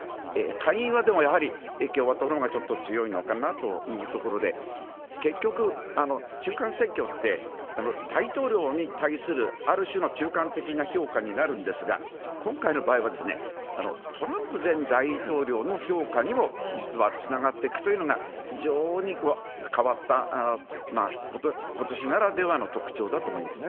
下院は、でもやはり共和党のほうがちょっと強いのかなというところで、結局、中間選挙って、大統領に対するある種の中間的な評価になるんですが、今回の場合は、トランプ前大統領の評価にも実はつながっていくというのが、非常に変わった、ことしならではの特徴だと思います。